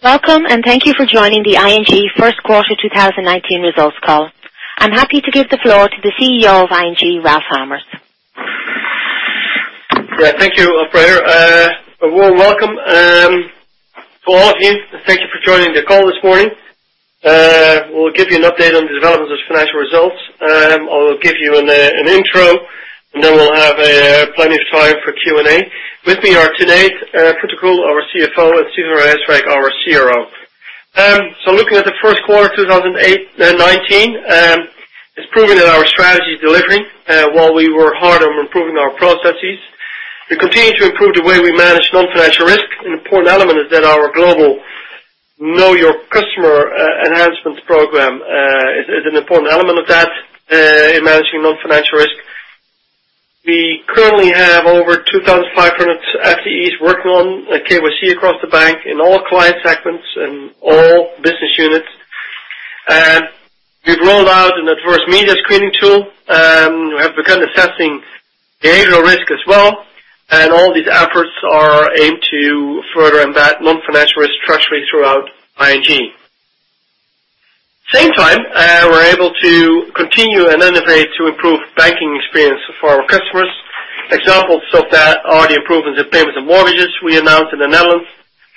Welcome. Thank you for joining the ING first quarter 2019 results call. I'm happy to give the floor to the CEO of ING, Ralph Hamers. Great. Thank you, operator. A warm welcome to all of you. Thank you for joining the call this morning. We'll give you an update on the developments of financial results. I will give you an intro. Then we'll have plenty of time for Q&A. With me are Tineke, our CFO, and Steven Rijswijk, our CRO. Looking at the first quarter 2019, it's proven that our strategy is delivering while we work hard on improving our processes. We continue to improve the way we manage non-financial risk. An important element is that our global Know Your Customer enhancements program is an important element of that in managing non-financial risk. We currently have over 2,500 FTEs working on KYC across the bank in all client segments and all business units. We've rolled out an adverse media screening tool. We have begun assessing behavioral risk as well. All these efforts are aimed to further embed non-financial risk treasury throughout ING. Same time, we're able to continue and innovate to improve banking experience for our customers. Examples of that are the improvements in payments and mortgages we announced in the Netherlands,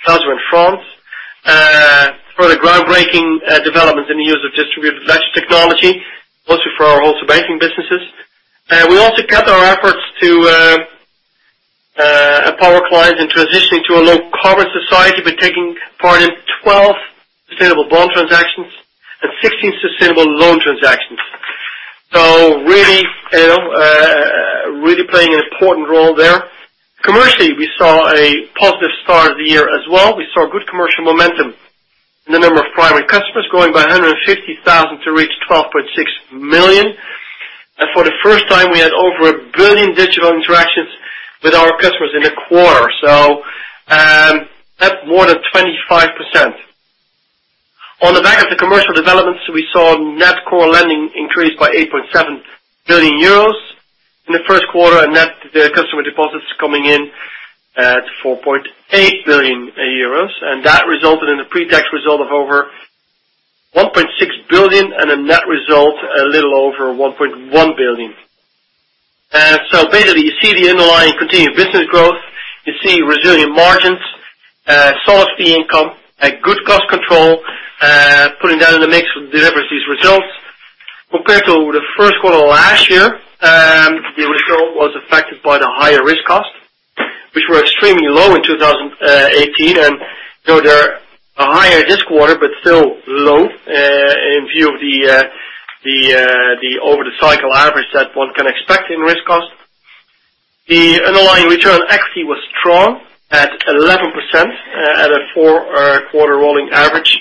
France. Further groundbreaking developments in the use of distributed ledger technology, mostly for our Wholesale Banking businesses. We also kept our efforts to empower clients in transitioning to a low-carbon society by taking part in 12 sustainable bond transactions and 16 sustainable loan transactions. Really playing an important role there. Commercially, we saw a positive start of the year as well. We saw good commercial momentum in the number of private customers going by 150,000 to reach 12.6 million. For the first time, we had over 1 billion digital interactions with our customers in a quarter. That's more than 25%. On the back of the commercial developments, we saw net core lending increase by 8.7 billion euros in the first quarter and net customer deposits coming in at 4.8 billion euros. That resulted in a pre-tax result of over 1.6 billion and a net result a little over 1.1 billion. Basically, you see the underlying continued business growth. You see resilient margins, solid fee income and good cost control. Putting that in the mix delivers these results. Compared to the first quarter of last year, the result was affected by the higher risk costs, which were extremely low in 2018. Though they're higher this quarter, but still low in view of the over the cycle average that one can expect in risk costs. The underlying return on equity was strong at 11% at a four-quarter rolling average,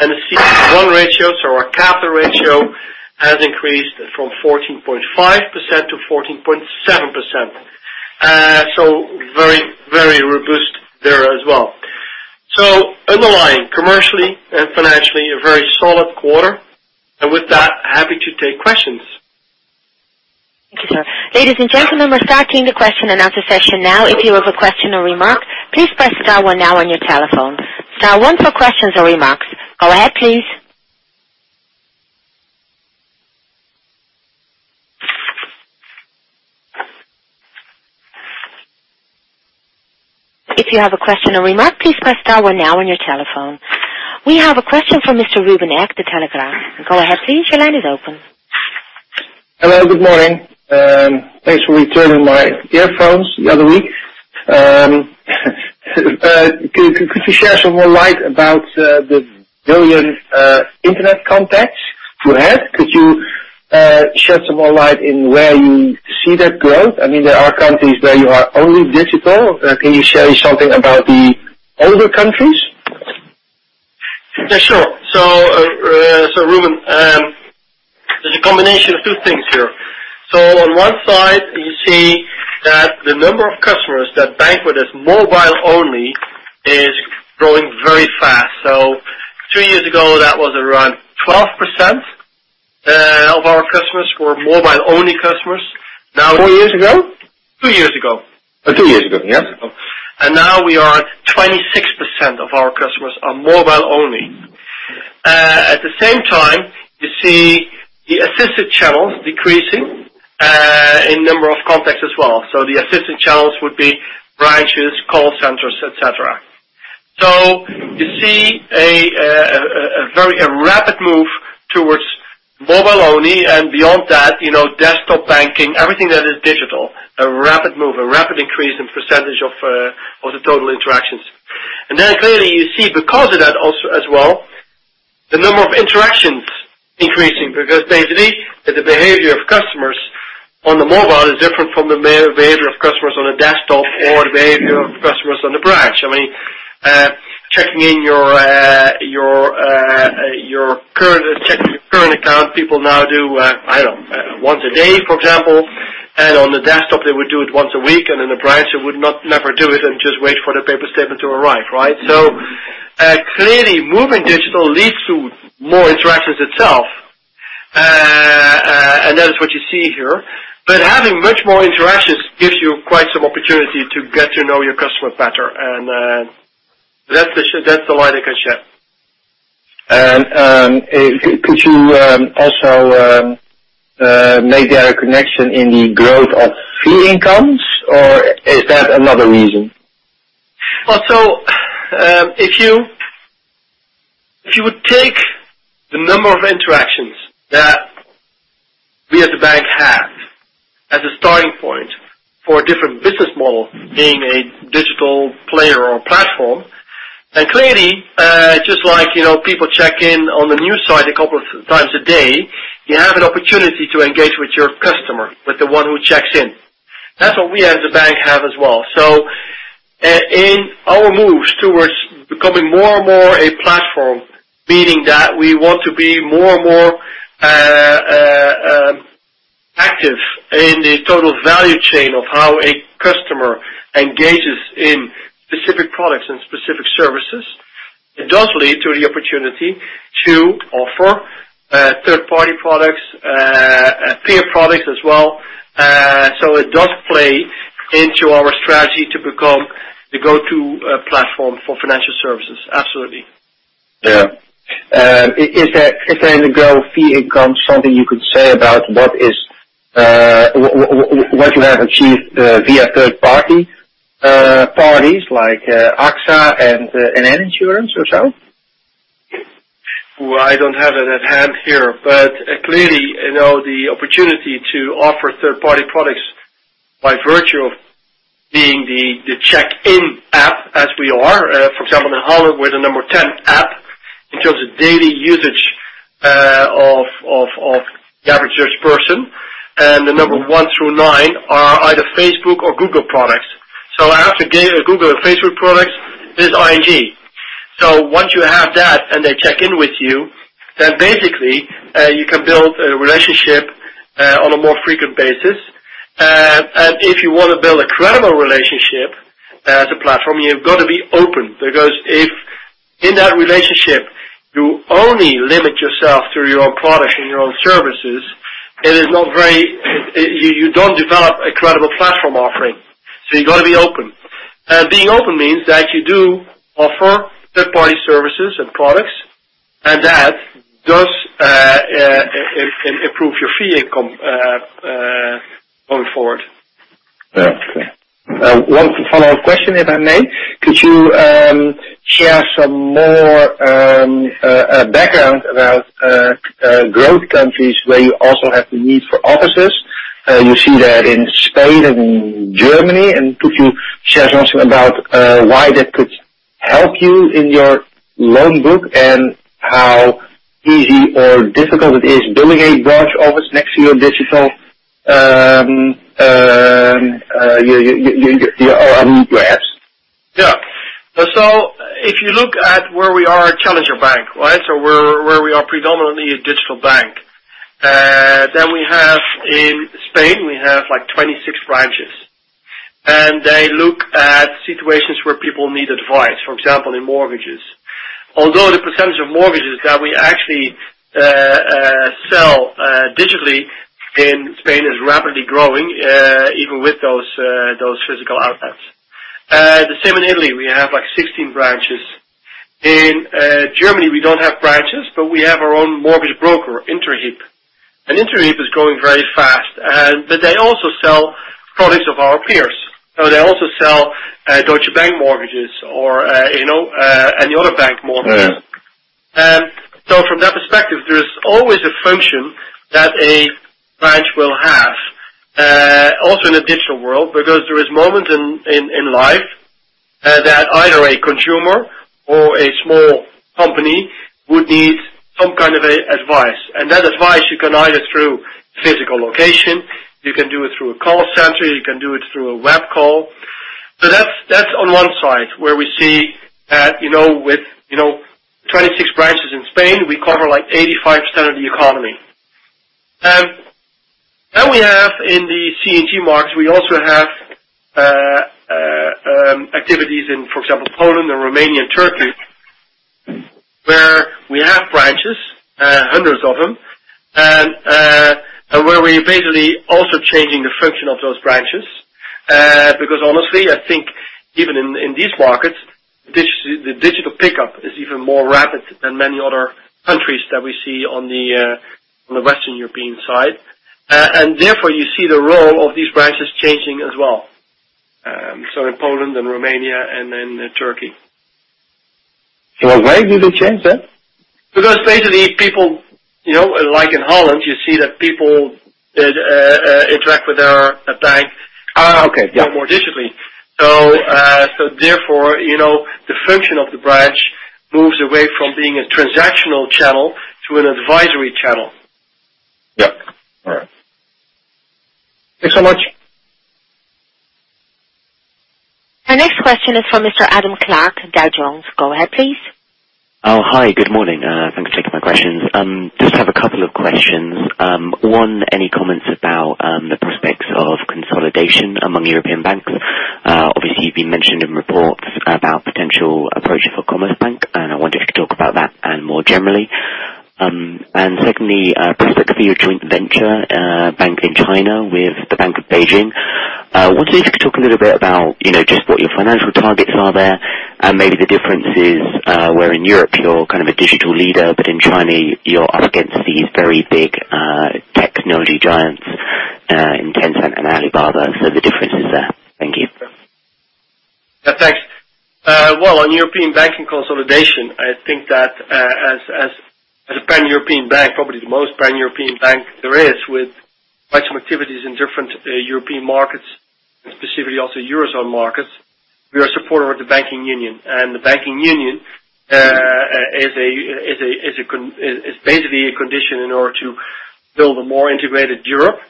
the CET1 ratio, so our capital ratio, has increased from 14.5% to 14.7%. Very robust there as well. Underlying commercially and financially, a very solid quarter. With that, happy to take questions. Thank you, sir. Ladies and gentlemen, we are starting the question and answer session now. If you have a question or remark, please press star one now on your telephone. Star one for questions or remarks. Go ahead, please. If you have a question or remark, please press star one now on your telephone. We have a question from Mr. Ruben Ach, De Telegraaf. Go ahead, please. Your line is open. Hello, good morning. Thanks for returning my earphones the other week. Could you shed some more light about the 1 billion internet contacts you had? Could you shed some more light in where you see that growth? There are countries where you are only digital. Can you share something about the other countries? Yeah, sure. Ruben, there is a combination of two things here. On one side, you see that the number of customers that bank with us mobile-only is growing very fast. Two years ago, that was around 12% of our customers were mobile-only customers. Four years ago? Two years ago. Two years ago. Yeah. Now we are at 26% of our customers are mobile-only. At the same time, you see the assisted channels decreasing in number of contacts as well. The assisted channels would be branches, call centers, et cetera. You see a rapid move towards mobile-only, and beyond that, desktop banking, everything that is digital. A rapid move, a rapid increase in percentage of the total interactions. Clearly you see because of that also as well, the number of interactions increasing because basically the behavior of customers on the mobile is different from the behavior of customers on a desktop or the behavior of customers on the branch. Checking your current account, people now do, I don't know, once a day, for example, and on the desktop they would do it once a week, and in a branch, they would never do it and just wait for the paper statement to arrive, right? Clearly moving digital leads to more interactions itself. That is what you see here. Having much more interactions gives you quite some opportunity to get to know your customer better, and that's the line I can share. Could you also, may there a connection in the growth of fee incomes or is that another reason? If you would take the number of interactions that we as a bank have as a starting point for a different business model, being a digital player or platform, and clearly, just like people check in on the news site a couple of times a day, you have an opportunity to engage with your customer, with the one who checks in. That's what we as a bank have as well. In our moves towards becoming more and more a platform, meaning that we want to be more and more active in the total value chain of how a customer engages in specific products and specific services, it does lead to the opportunity to offer third-party products, peer products as well. It does play into our strategy to become the go-to platform for financial services. Absolutely. Yeah. Is there, in the growth fee income, something you could say about what you have achieved via third parties, like AXA and NN Group or so? Well, I don't have it at hand here, but clearly, the opportunity to offer third-party products by virtue of being the check-in app as we are, for example, in Holland, we're the number 10 app in terms of daily usage of the average search person, and the number 1 through 9 are either Facebook or Google products. After Google and Facebook products, there's ING. Once you have that and they check in with you, then basically, you can build a relationship on a more frequent basis. If you want to build a credible relationship as a platform, you've got to be open, because if in that relationship you only limit yourself to your own products and your own services, you don't develop a credible platform offering. You've got to be open. Being open means that you do offer third-party services and products, and that does improve your fee income going forward. Yeah. Okay. One follow-up question, if I may. Could you share some more background about growth countries where you also have the need for offices? You see that in Spain and Germany, could you share something about why that could help you in your loan book and how easy or difficult it is building a branch office next to your digital apps? Yeah. If you look at where we are a challenger bank, right? Where we are predominantly a digital bank, then we have in Spain, we have 26 branches. They look at situations where people need advice. For example, in mortgages. Although the percentage of mortgages that we actually sell digitally in Spain is rapidly growing, even with those physical outlets. The same in Italy, we have 16 branches. In Germany, we don't have branches, but we have our own mortgage broker, Interhyp. Interhyp is growing very fast. They also sell products of our peers. They also sell Deutsche Bank mortgages or any other bank mortgages. Yeah. From that perspective, there's always a function that a branch will have, also in a digital world, because there is moment in life that either a consumer or a small company would need some kind of advice. That advice you can either through physical location, you can do it through a call center, you can do it through a web call. That's on one side where we see that with 26 branches in Spain, we cover 85% of the economy. We have in the Challengers & Growth markets, we also have activities in, for example, Poland and Romania and Turkey, where we have branches, hundreds of them, and where we are basically also changing the function of those branches. Honestly, I think even in these markets, the digital pickup is even more rapid than many other countries that we see on the Western European side. Therefore, you see the role of these branches changing as well. In Poland and Romania and in Turkey. Why do they change that? Basically, people, like in Holland, you see that people interact with their bank. Okay. Yeah. More digitally. Therefore, the function of the branch moves away from being a transactional channel to an advisory channel. Yeah. All right. Thanks so much. Our next question is from Mr. Adam Clark, Dow Jones. Go ahead, please. Hi. Good morning. Thanks for taking my questions. Just have a couple of questions. One, any comments about the prospects of consolidation among European banks and more generally? Secondly, prospective joint venture bank in China with the Bank of Beijing. I was wondering if you could talk a little bit about just what your financial targets are there and maybe the differences, where in Europe you're kind of a digital leader, but in China, you're up against these very big technology giants in Tencent and Alibaba. The difference is there. Thank you. Well, on European banking consolidation, I think that, as a pan-European bank, probably the most pan-European bank there is with quite some activities in different European markets, and specifically also eurozone markets, we are a supporter of the banking union. The banking union is basically a condition in order to build a more integrated Europe.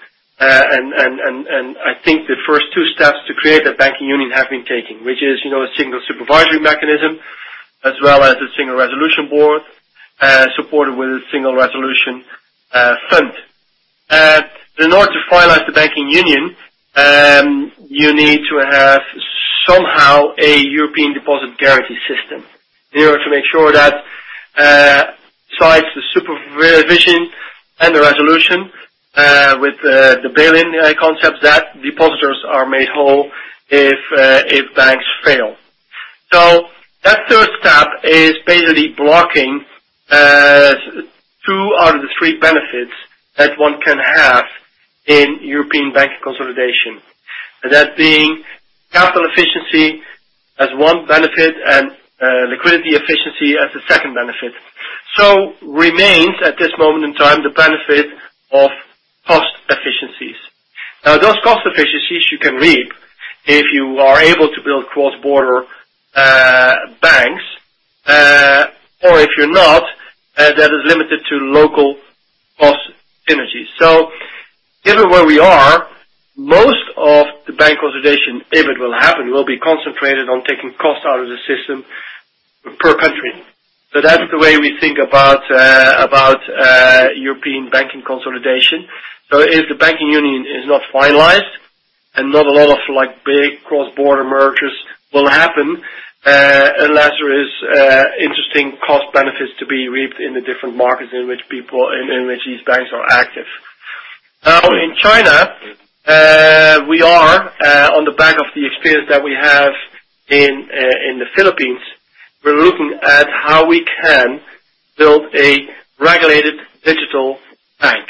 I think the first two steps to create a banking union have been taken, which is a Single Supervisory Mechanism as well as a Single Resolution Board, supported with a Single Resolution Fund. In order to finalize the banking union, you need to have somehow a European Deposit Guarantee Scheme in order to make sure that, besides the supervision and the resolution, with the bail-in concept, that depositors are made whole if banks fail. That third step is basically blocking two out of the three benefits that one can have in European bank consolidation. That being capital efficiency as one benefit and liquidity efficiency as the second benefit. Remains, at this moment in time, the benefit of cost efficiencies. Now, those cost efficiencies you can reap if you are able to build cross-border banks, or if you're not, that is limited to local cost synergies. Given where we are, most of the bank consolidation, if it will happen, will be concentrated on taking cost out of the system per country. That's the way we think about European banking consolidation. If the banking union is not finalized and not a lot of big cross-border mergers will happen, unless there is interesting cost benefits to be reaped in the different markets in which these banks are active. In China, we are on the back of the experience that we have in the Philippines. We're looking at how we can build a regulated digital bank.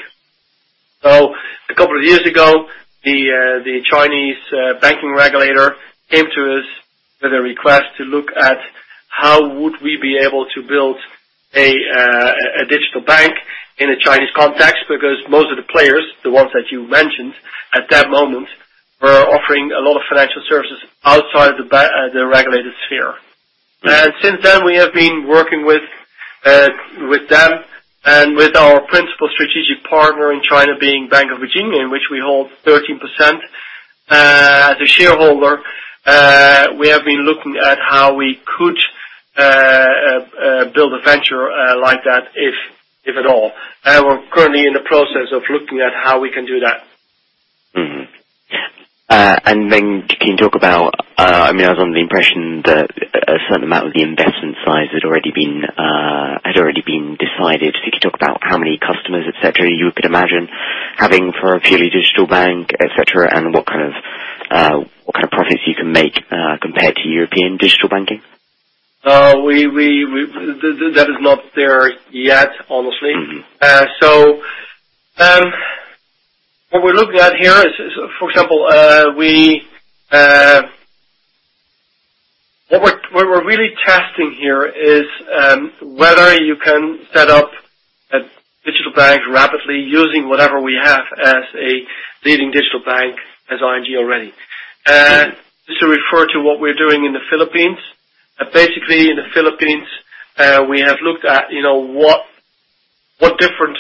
A couple of years ago, the Chinese banking regulator came to us with a request to look at how would we be able to build a digital bank in a Chinese context, because most of the players, the ones that you mentioned, at that moment, were offering a lot of financial services outside the regulated sphere. Since then, we have been working with them and with our principal strategic partner in China, being Bank of Beijing, in which we hold 13% as a shareholder. We have been looking at how we could build a venture like that, if at all. We're currently in the process of looking at how we can do that. Can you talk about I was under the impression that a certain amount of the investment size had already been decided. Can you talk about how many customers, etc., you could imagine having for a purely digital bank, etc., and what kind of profits you can make compared to European digital banking? That is not there yet, honestly. What we're looking at here is, for example, what we're really testing here is whether you can set up a digital bank rapidly using whatever we have as a leading digital bank as ING already. This will refer to what we're doing in the Philippines. Basically, in the Philippines, we have looked at what different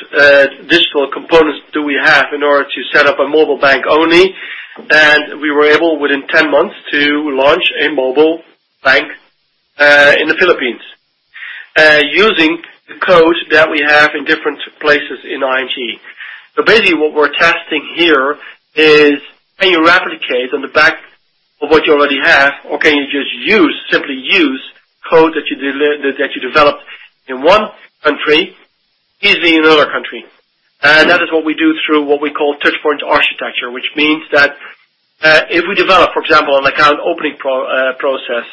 digital components do we have in order to set up a mobile bank only. We were able, within 10 months, to launch a mobile bank in the Philippines using the code that we have in different places in ING. Basically what we're testing here is, can you replicate on the back of what you already have, or can you just simply use code that you developed in one country, easily in another country? That is what we do through what we call touch point architecture, which means that if we develop, for example, an account opening process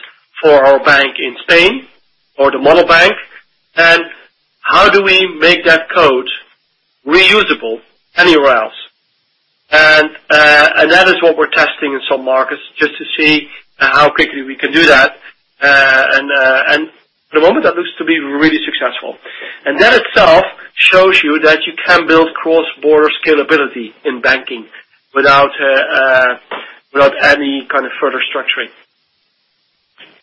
for our bank in Spain or the model bank, then how do we make that code reusable anywhere else? That is what we're testing in some markets, just to see how quickly we can do that. For the moment, that looks to be really successful. That itself shows you that you can build cross-border scalability in banking without any kind of further structuring.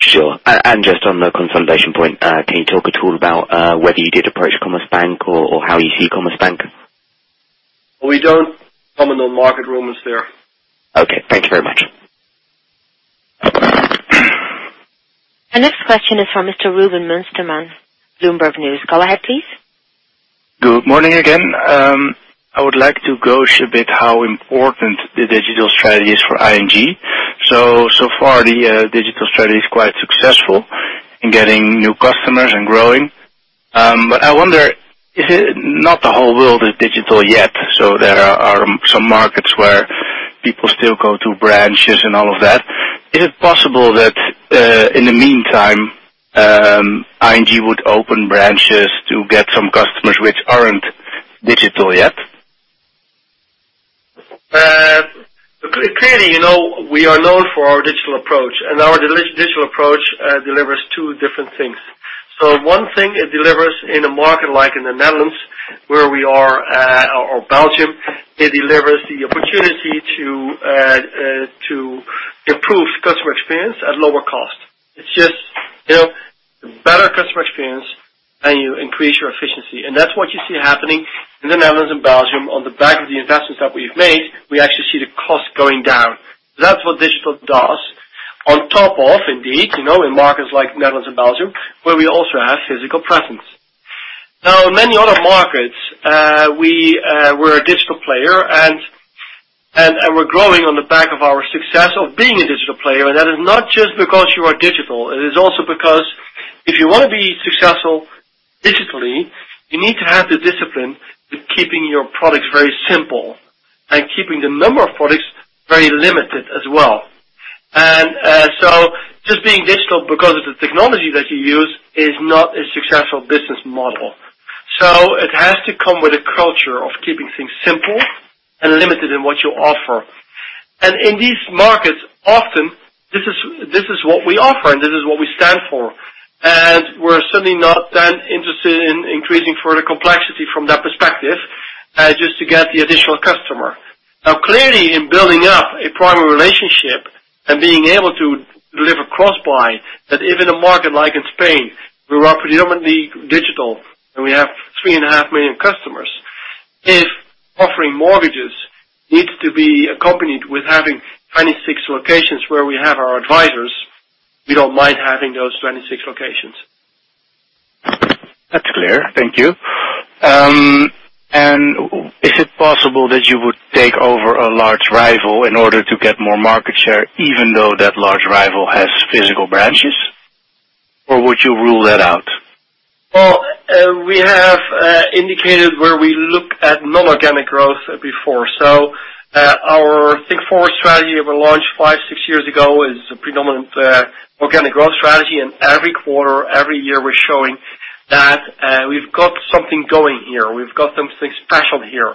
Sure. Just on the consolidation point, can you talk at all about whether you did approach Commerzbank or how you see Commerzbank? We don't comment on market rumors there. Okay. Thank you very much. Our next question is from Mr. Ruben Munsterman, Bloomberg News. Go ahead, please. Good morning again. I would like to gauge a bit how important the digital strategy is for ING. So far, the digital strategy is quite successful in getting new customers and growing. I wonder, not the whole world is digital yet, so there are some markets where people still go to branches and all of that. Is it possible that, in the meantime, ING would open branches to get some customers which aren't digital yet? Clearly, we are known for our digital approach, and our digital approach delivers two different things. One thing it delivers in a market like in the Netherlands or Belgium, it delivers the opportunity to improve customer experience at lower cost. It's just better customer experience, and you increase your efficiency. That's what you see happening in the Netherlands and Belgium on the back of the investments that we've made, we actually see the cost going down. That's what digital does. On top of, indeed, in markets like Netherlands and Belgium, where we also have physical presence. In many other markets, we're a digital player, and we're growing on the back of our success of being a digital player. That is not just because you are digital. It is also because if you want to be successful digitally, you need to have the discipline with keeping your products very simple and keeping the number of products very limited as well. Just being digital because of the technology that you use is not a successful business model. It has to come with a culture of keeping things simple and limited in what you offer. In these markets, often, this is what we offer, and this is what we stand for. We're certainly not then interested in increasing further complexity from that perspective, just to get the additional customer. Clearly, in building up a primary relationship and being able to deliver cross-buy, that if in a market like in Spain, we are predominantly digital, and we have three and a half million customers. If offering mortgages needs to be accompanied with having 26 locations where we have our advisors, we don't mind having those 26 locations. That's clear. Thank you. Is it possible that you would take over a large rival in order to get more market share, even though that large rival has physical branches? Would you rule that out? Well, we have indicated where we look at non-organic growth before. Our Think4 strategy that we launched five, six years ago is a predominant organic growth strategy, and every quarter, every year, we're showing that we've got something going here. We've got something special here.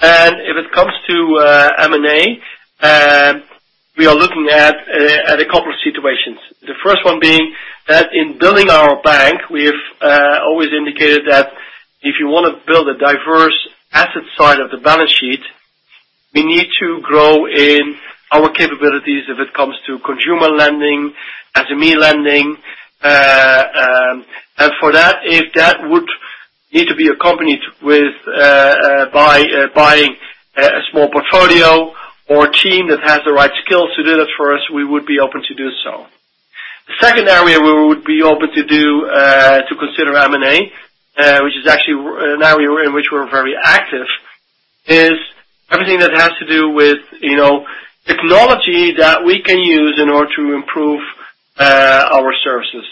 If it comes to M&A, we are looking at a couple of situations. The first one being that in building our bank, we've always indicated that if you want to build a diverse asset side of the balance sheet, we need to grow in our capabilities if it comes to consumer lending, SME lending. For that, if that would need to be accompanied with buying a small portfolio or a team that has the right skills to do that for us, we would be open to do so. The second area we would be open to consider M&A, which is actually an area in which we're very active, is everything that has to do with technology that we can use in order to improve our services.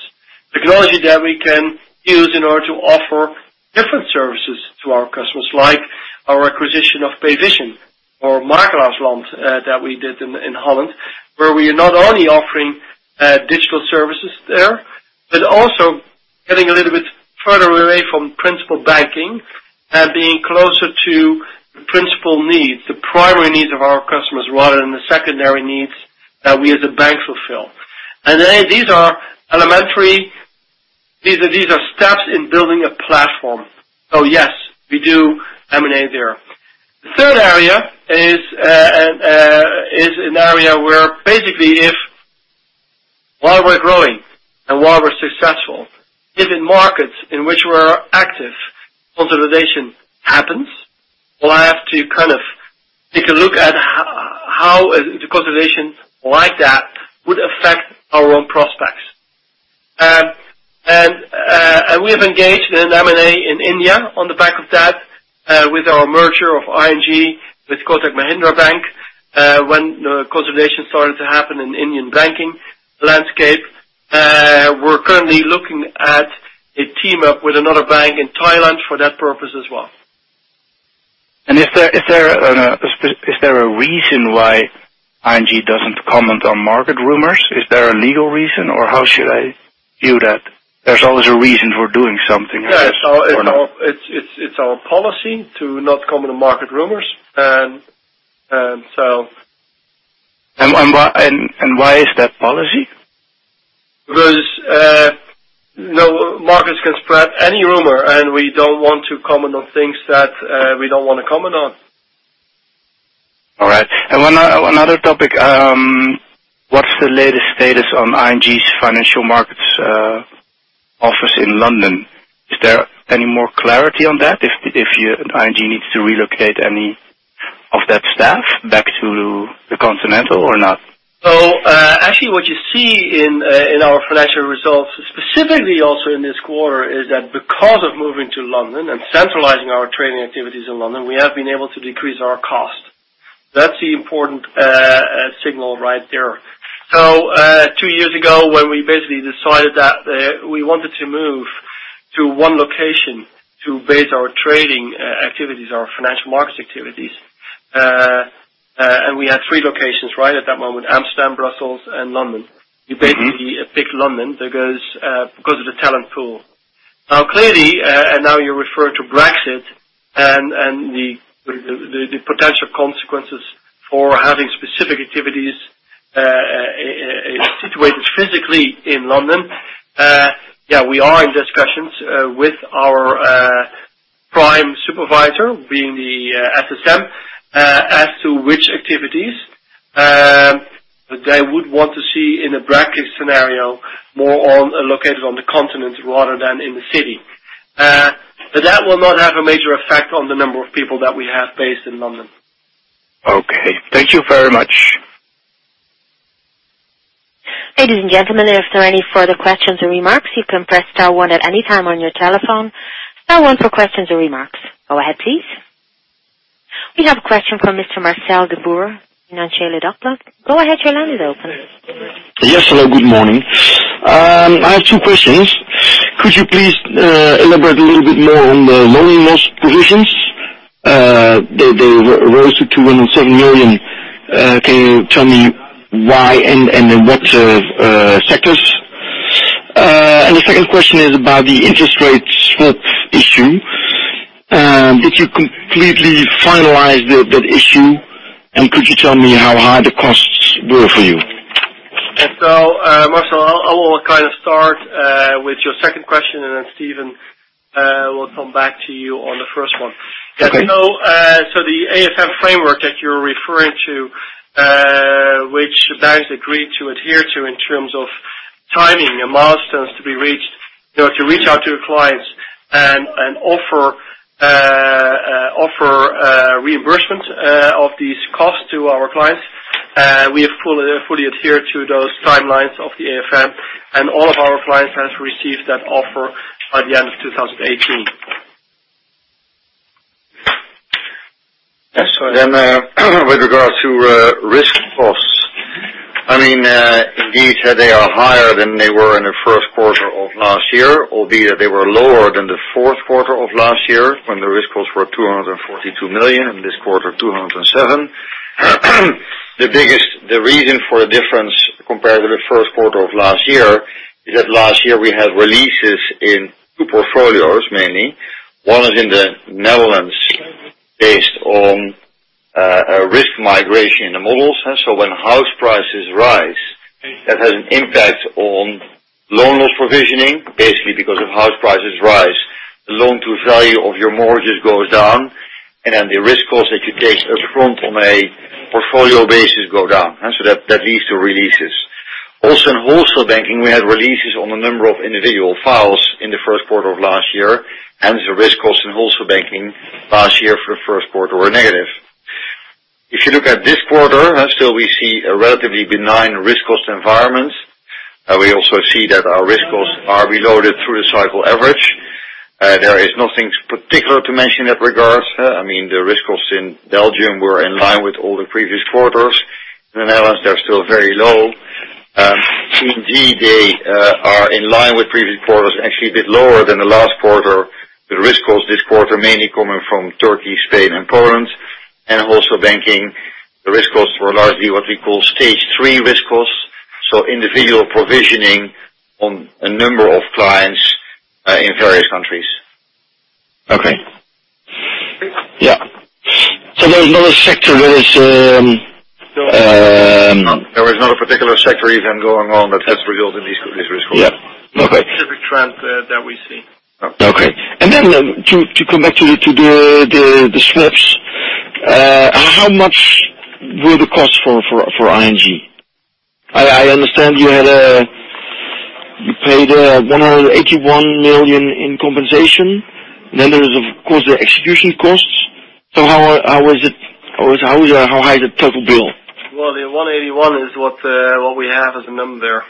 Technology that we can use in order to offer different services to our customers, like our acquisition of Payvision or Makelaarsland that we did in Holland, where we are not only offering digital services there, but also getting a little bit further away from principal banking and being closer to the principal needs, the primary needs of our customers, rather than the secondary needs that we as a bank fulfill. These are elementary steps in building a platform. Yes, we do M&A there. The third area is an area where basically if, while we're growing and while we're successful, if in markets in which we're active, consolidation happens, we'll have to take a look at how a consolidation like that would affect our own prospects. We have engaged in an M&A in India on the back of that, with our merger of ING with Kotak Mahindra Bank, when consolidation started to happen in Indian banking landscape. We're currently looking at a team up with another bank in Thailand for that purpose as well. Is there a reason why ING doesn't comment on market rumors? Is there a legal reason, or how should I view that? There's always a reason for doing something. It's our policy to not comment on market rumors. Why is that policy? Markets can spread any rumor, we don't want to comment on things that we don't want to comment on. All right. One other topic, what's the latest status on ING's financial markets office in London? Is there any more clarity on that, if ING needs to relocate any of that staff back to the continent or not? Financial results, specifically also in this quarter, is that because of moving to London and centralizing our trading activities in London, we have been able to decrease our costs. That's the important signal right there. Two years ago, when we basically decided that we wanted to move to one location to base our trading activities, our financial markets activities, we had three locations right at that moment, Amsterdam, Brussels and London. We basically picked London because of the talent pool. Now, clearly, now you're referring to Brexit and the potential consequences for having specific activities situated physically in London. Yeah, we are in discussions with our prime supervisor, being the SSM, as to which activities that they would want to see in a Brexit scenario, more located on the continent rather than in the city. That will not have a major effect on the number of people that we have based in London. Okay. Thank you very much. Ladies and gentlemen, if there are any further questions or remarks, you can press star one at any time on your telephone. Star one for questions or remarks. Go ahead, please. We have a question from Mr. Marcel de Boer, Het Financieele Dagblad. Go ahead, your line is open. Yes. Hello, good morning. I have two questions. Could you please elaborate a little bit more on the loan loss provisions? They rose to 207 million. Can you tell me why and in what sectors? The second question is about the interest rate swap issue. Did you completely finalize that issue, and could you tell me how high the costs were for you? Marcel, I will start with your second question, and then Steven will come back to you on the first one. Okay. The AFM framework that you're referring to, which the banks agreed to adhere to in terms of timing and milestones to be reached to reach out to your clients and offer reimbursement of these costs to our clients. We have fully adhered to those timelines of the AFM, and all of our clients have received that offer by the end of 2018. Yes. With regards to risk costs. Indeed, they are higher than they were in the first quarter of last year, albeit they were lower than the fourth quarter of last year, when the risk costs were 242 million. In this quarter, 207 million. The reason for the difference compared with the first quarter of last year is that last year we had releases in two portfolios, mainly. One is in the Netherlands based on risk migration in the models. When house prices rise, that has an impact on loan loss provisioning. Basically, because if house prices rise, the loan-to-value of your mortgages goes down, and then the risk costs that you take up front on a portfolio basis go down. That leads to releases. Also, in Wholesale Banking, we had releases on a number of individual files in the first quarter of last year, hence the risk costs in Wholesale Banking last year for the first quarter were negative. If you look at this quarter, still we see a relatively benign risk cost environment. We also see that our risk costs are below the through cycle average. There is nothing particular to mention in that regards. The risk costs in Belgium were in line with all the previous quarters. In the Netherlands, they're still very low. Indeed, they are in line with previous quarters, actually a bit lower than the last quarter. The risk costs this quarter mainly coming from Turkey, Spain, and Poland. Wholesale Banking, the risk costs were largely what we call Stage 3 risk costs. Individual provisioning on a number of clients in various countries. Okay. Yeah. There is no sector where there's There is no particular sector even going on that has resulted in these risk costs. Yeah. Okay. It's a trend that we see. Okay. To come back to the swaps. How much were the costs for ING? I understand you paid 181 million in compensation. There is, of course, the execution costs. How high is the total bill? Well, the 181 is what we have as a number.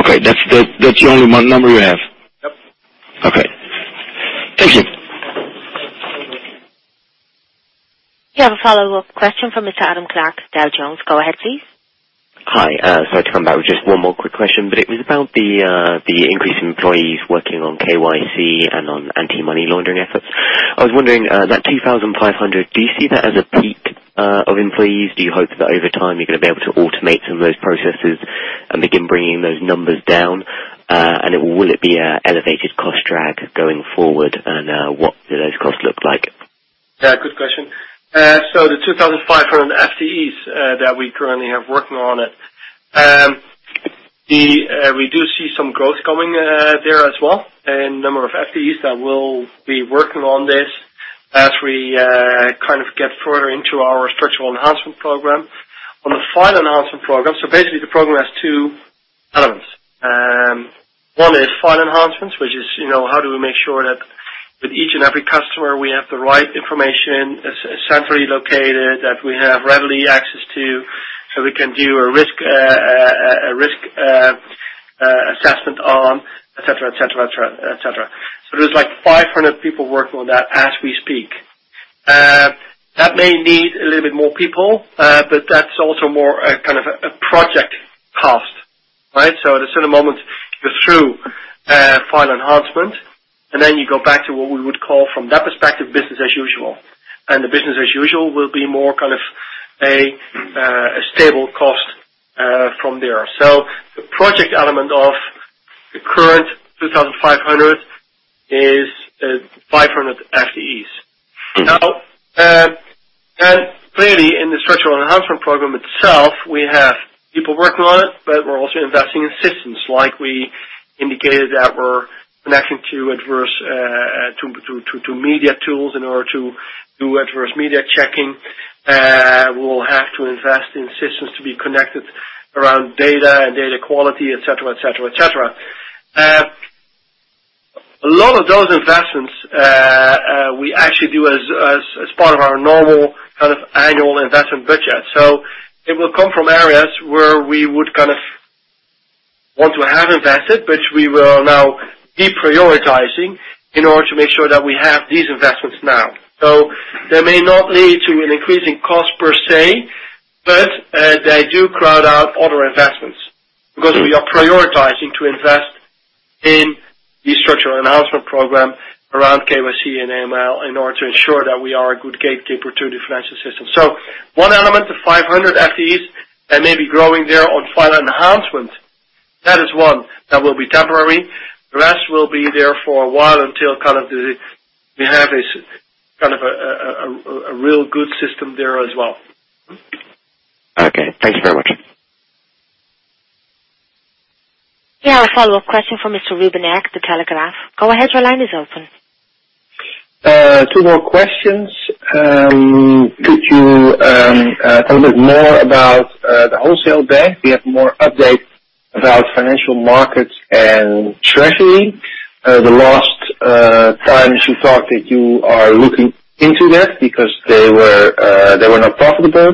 Okay. That's the only number you have. Yep. Okay. Thank you. You have a follow-up question from Mr. Adam Clark, Dow Jones. Go ahead, please. Hi. Sorry to come back with just one more quick question, but it was about the increase in employees working on KYC and on anti-money laundering efforts. I was wondering, that 2,500, do you see that as a peak of employees? Do you hope that over time you're going to be able to automate some of those processes and begin bringing those numbers down? Will it be an elevated cost drag going forward? What do those costs look like? Yeah, good question. The 2,500 FTEs that we currently have working on it. We do see some growth coming there as well in number of FTEs that will be working on this as we get further into our structural enhancement program. On the final enhancement program, basically the program has two elements. One is file enhancements, which is how do we make sure that with each and every customer, we have the right information centrally located that we have readily access to, so we can do a risk assessment on, et cetera. There's 500 people working on that as we speak. That may need a little bit more people, but that's also more a project cost. The certain moment you're through final enhancement, you go back to what we would call from that perspective, business as usual. The business as usual will be more a stable cost from there. The project element of the current 2,500 is 500 FTEs. Now, clearly in the structural enhancement program itself, we have people working on it, but we're also investing in systems like we indicated that we're connecting to adverse media tools in order to do adverse media checking. We'll have to invest in systems to be connected around data and data quality, et cetera. A lot of those investments, we actually do as part of our normal annual investment budget. It will come from areas where we would want to have invested, but we will now be prioritizing in order to make sure that we have these investments now. They may not lead to an increase in cost per se, but they do crowd out other investments because we are prioritizing to invest in the structural enhancement program around KYC and AML in order to ensure that we are a good gatekeeper to the financial system. One element, the 500 FTEs, and maybe growing there on final enhancement. That is one that will be temporary. The rest will be there for a while until we have a real good system there as well. Okay. Thank you very much. A follow-up question for Mr. Ruben Ach, De Telegraaf. Go ahead, your line is open. Two more questions. Could you tell me more about the Wholesale Banking? Do you have more updates about financial markets and treasury? The last time she talked that you are looking into that because they were not profitable,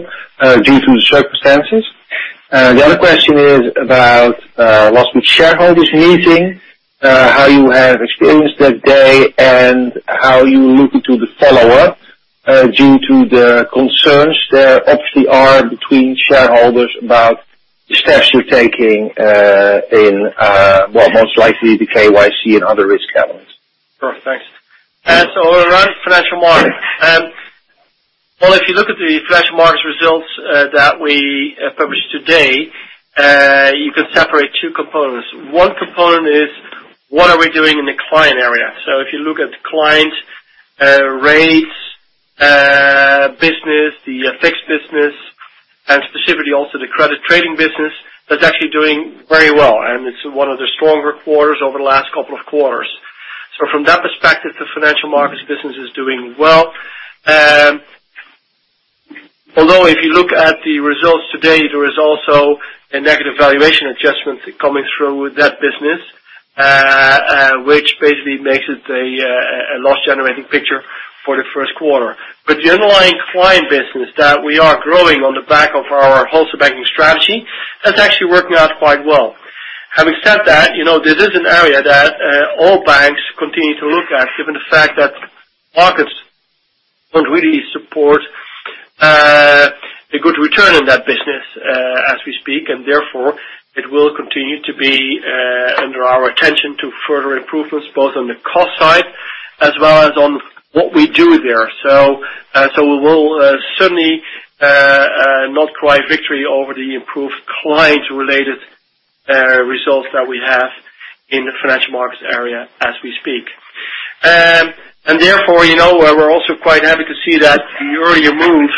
due to the circumstances. The other question is about last week's shareholders meeting, how you have experienced that day and how you look into the follow-up, due to the concerns there obviously are between shareholders about the steps you're taking, in, well, most likely the KYC and other risk elements. Perfect. Thanks. Around financial markets. Well, if you look at the financial markets results that we published today, you can separate two components. One component is what are we doing in the client area. If you look at client rates, business, the fixed business, and specifically also the credit trading business, that's actually doing very well, and it's one of the stronger quarters over the last couple of quarters. From that perspective, the financial markets business is doing well. Although if you look at the results today, there is also a negative valuation adjustment coming through with that business, which basically makes it a loss-generating picture for the first quarter. The underlying client business that we are growing on the back of our Wholesale Banking strategy, that's actually working out quite well. Having said that, this is an area that all banks continue to look at given the fact that financial markets don't really support a good return in that business as we speak, therefore, it will continue to be under our attention to further improvements both on the cost side as well as on what we do there. We will certainly not cry victory over the improved client-related results that we have in the financial markets area as we speak. Therefore, we're also quite happy to see that the earlier move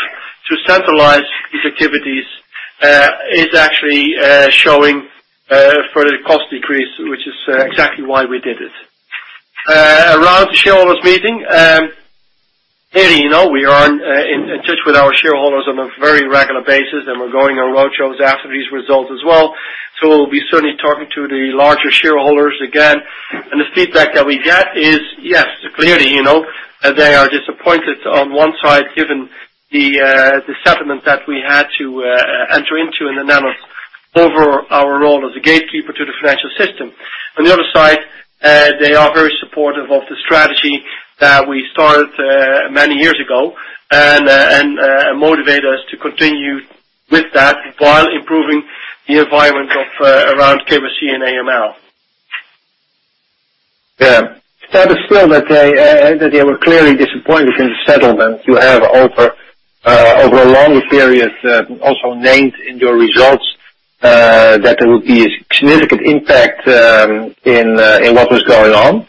to centralize these activities is actually showing further cost decrease, which is exactly why we did it. Around the shareholders meeting, Haley, you know we are in touch with our shareholders on a very regular basis, and we're going on roadshows after these results as well. We'll be certainly talking to the larger shareholders again. The feedback that we get is, yes, clearly, they are disappointed on one side given the settlement that we had to enter into in the nano over our role as a gatekeeper to the financial system. On the other side, they are very supportive of the strategy that we started many years ago and motivate us to continue with that while improving the environment of around KYC and AML. Yeah. It stands still that they were clearly disappointed in the settlement you have over a longer period, also named in your results, that there would be a significant impact in what was going on.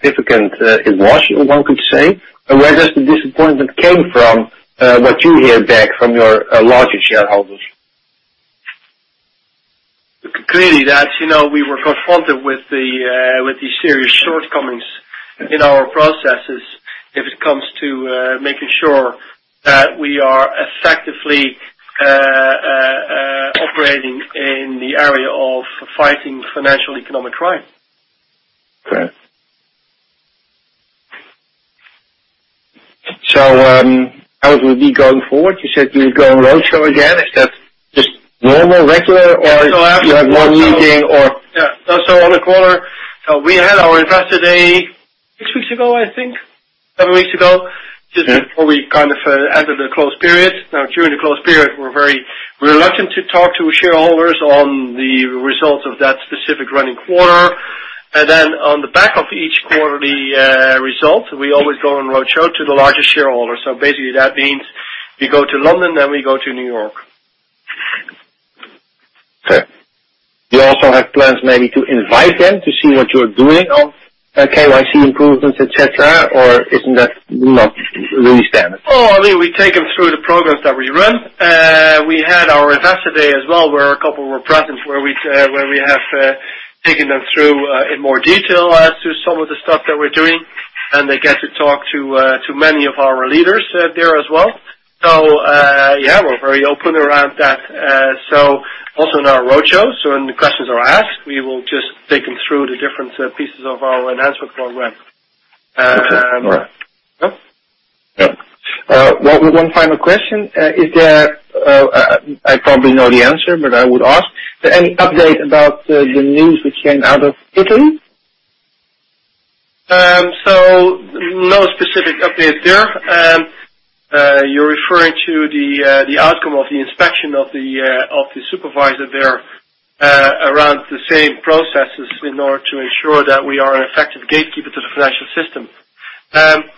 Significant it was, one could say. Where does the disappointment came from, what you hear back from your larger shareholders? Clearly that, we were confronted with these serious shortcomings in our processes if it comes to making sure that we are effectively operating in the area of fighting financial economic crime. Okay. How it will be going forward? You said you're going roadshow again. Is that just normal, regular, or you have one meeting or Yeah. On the quarter, we had our investor day six weeks ago, I think. Seven weeks ago. Okay. Just before we entered the close period. Now, during the close period, we're very reluctant to talk to shareholders on the results of that specific running quarter. On the back of each quarterly result, we always go on roadshow to the largest shareholders. That means we go to London, then we go to New York. Okay. Do you also have plans maybe to invite them to see what you're doing on KYC improvements, et cetera, or isn't that not really standard? We take them through the programs that we run. We had our Investor Day as well, where a couple were present, where we have taken them through in more detail as to some of the stuff that we're doing. They get to talk to many of our leaders there as well. Yeah, we're very open around that. Also on our roadshow, when the questions are asked, we will just take them through the different pieces of our Enhancement Program. Okay. All right. No? No. One final question. I probably know the answer, but I would ask. Is there any update about the news which came out of Italy? No specific update there. You're referring to the outcome of the inspection of the supervisor there, around the same processes in order to ensure that we are an effective gatekeeper to the financial system.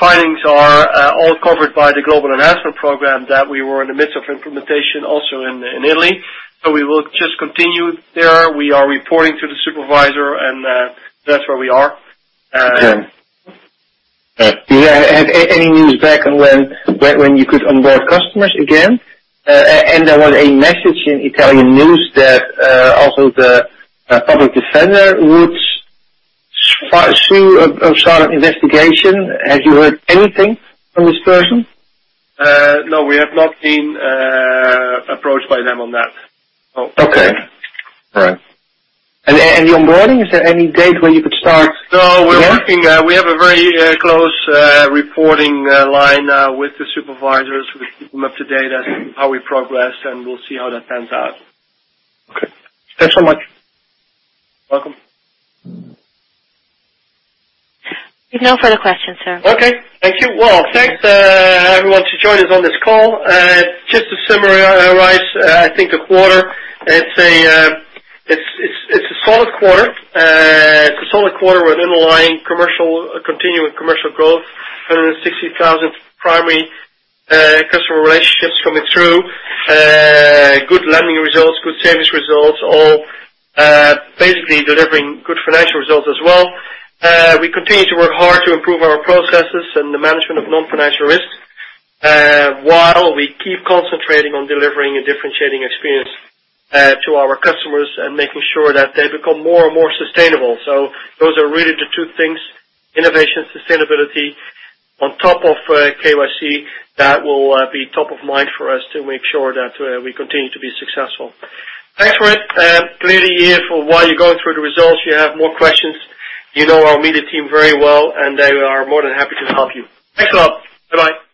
Findings are all covered by the global Enhancement Program that we were in the midst of implementation also in Italy. We will just continue there. We are reporting to the supervisor, that's where we are. Okay. Do you have any news back on when you could onboard customers again? There was a message in Italian news that also the Public Prosecutor would sue or start an investigation. Have you heard anything from this person? No, we have not been approached by them on that. No. Okay. All right. The onboarding, is there any date when you could start again? No, we have a very close reporting line with the supervisors. We keep them up to date as to how we progress, and we'll see how that pans out. Okay. Thanks so much. Welcome. We've no further questions, sir. Okay. Thank you. Well, thanks everyone who to joined us on this call. Just to summarize, I think the quarter, it's a solid quarter. A solid quarter with underlying commercial, continuing commercial growth. 760,000 primary customer relationships coming through. Good lending results, good service results, all basically delivering good financial results as well. We continue to work hard to improve our processes and the management of non-financial risk, while we keep concentrating on delivering a differentiating experience to our customers and making sure that they become more and more sustainable. So those are really the two things, innovation, sustainability, on top of KYC, that will be top of mind for us to make sure that we continue to be successful. Thanks for it. Clearly here for while you're going through the results, you know our media team very well, and they are more than happy to help you. Thanks a lot. Bye-bye.